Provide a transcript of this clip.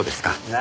何？